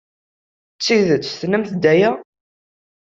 D tidet tennamt-d aya?